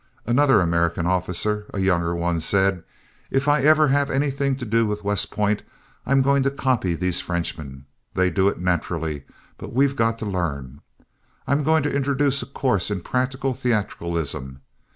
Another American officer, a younger one, said, "If I ever have anything to do with West Point I'm going to copy these Frenchmen. They do it naturally, but we've got to learn. I'm going to introduce a course in practical theatricalism.